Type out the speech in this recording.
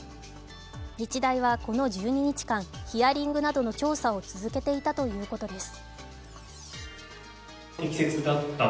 日大はこの１２日間、ヒアリングなどの調査を続けていたということです。